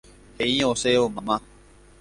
He'i osẽvo mamá.